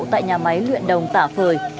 tại nhà máy luyện đồng tả phời